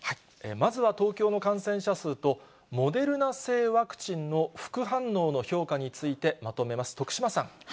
まずは東京の感染者数と、モデルナ製ワクチンの副反応の評価について、まとめます。